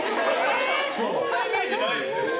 そんなイメージないですよ。